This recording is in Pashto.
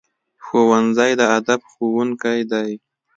ښوونځی د ادب ښوونکی دی